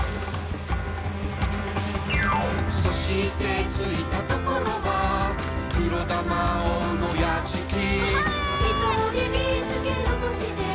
「そして着いたところは黒玉王の屋敷」ははうえー！